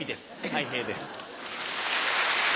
たい平です。